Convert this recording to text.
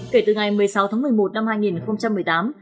kể từ ngày một mươi sáu tháng một mươi một năm hai nghìn một mươi tám